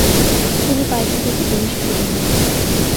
তিনি পার্টি থেকে বহিষ্কৃত হন।